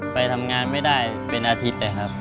ไปทำงานไม่ได้เป็นอาทิตย์เลยครับ